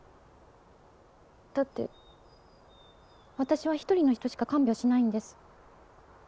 だって私は一人の人しか看病しないんです。